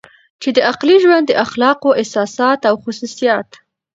چې د عقلې ژوند د اخلاقو احساسات او خصوصیات